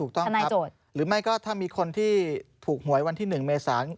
ถูกต้องครับหรือไม่ก็ถ้ามีคนที่ถูกหวยวันที่๑เมษา